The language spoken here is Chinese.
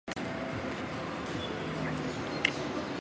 附加赛圈胜方可晋级分组赛。